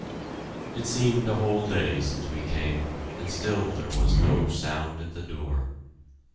It seemed a whole day since we came, and still there was no sound at the door.